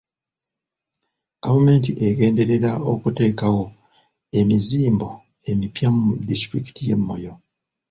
Gavumenti egenderera okuteekawo emizimbo emipya mu disitulikiti y'e Moyo.